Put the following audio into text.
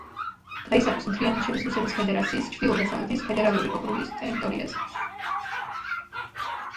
დღეისათვის მთლიანად შედის რუსეთის ფედერაციის ჩრდილო-დასავლეთის ფედერალური ოკრუგის ტერიტორიაზე.